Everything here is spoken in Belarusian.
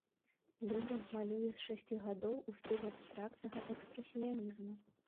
Люба малюе з шасці гадоў у стылі абстрактнага экспрэсіянізму.